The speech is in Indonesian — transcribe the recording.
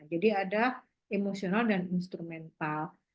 jadi ada emosional dan instrumental